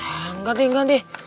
engga deh engga deh